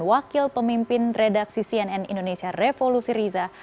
wakil pemimpin redaksi cnn indonesia revo lusiriza